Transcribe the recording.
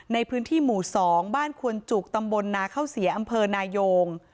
ในพื้นที่หมู่๒บ้านควนจุกตำบลนาเข้าเสียอำเภอนายง